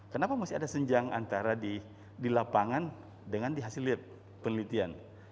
kenapa masih ada senjang antara di lapangan dengan di hasil penelitian